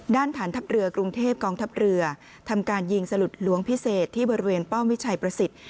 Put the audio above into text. ฐานทัพเรือกรุงเทพกองทัพเรือทำการยิงสลุดหลวงพิเศษที่บริเวณป้อมวิชัยประสิทธิ์